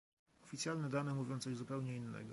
Oficjalne dane mówią coś zupełnie innego